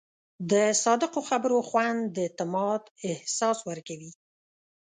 د صادقو خبرو خوند د اعتماد احساس ورکوي.